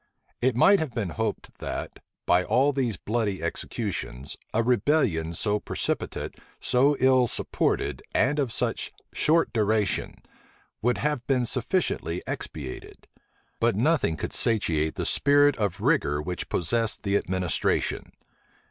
It might have been hoped that, by all these bloody executions, a rebellion so precipitate, so ill supported, and of such short duration, would have been sufficiently expiated: but nothing could satiate the spirit of rigor which possessed the administration.